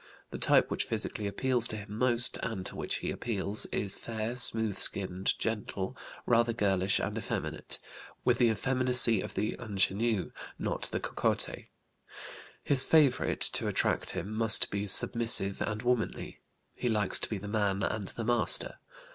The type which physically appeals to him most, and to which he appeals, is fair, smooth skinned, gentle, rather girlish and effeminate, with the effeminacy of the ingénue, not the cocotte. His favorite to attract him must be submissive and womanly; he likes to be the man and the master.